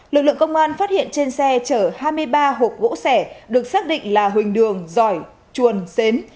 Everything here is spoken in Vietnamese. lực lượng công an phát hiện trên xe chở hai mươi ba hộp gỗ sẻ được xác định là huỳnh đường giỏi chuồn xến